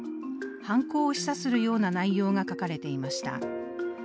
犯行を示唆するような内容が書かれていました。